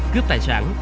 cướp tài sản